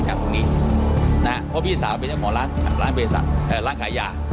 ใจตรงนี้นะครับตอนนี้สาวเป็นหมอล่างล้านเบรษาล่างขายหย่า